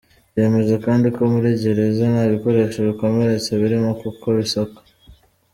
Yemeza kandi ko muri gereza nta bikoresho bikomeretsa birimo kuko bisakwa.